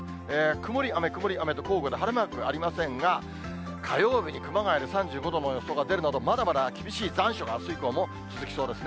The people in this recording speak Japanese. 曇り、雨、曇り、雨と交互で、晴れがありませんが、火曜日に熊谷で３５度の予想が出るなど、まだまだ厳しい残暑が、あす以降も続きそうですね。